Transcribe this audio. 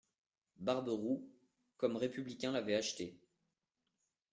Barberou, comme républicain l'avait acheté.